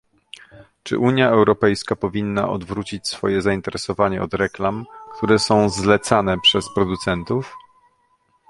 czy Unia Europejska powinna odwrócić swoje zainteresowanie od reklam, które są zlecane przez producentów?